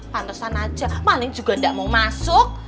pantasan aja maling juga tidak mau masuk